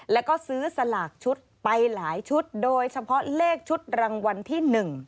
แล้วก็ซื้อสลากชุดไปหลายชุดโดยเฉพาะเลขชุดรางวัลที่๑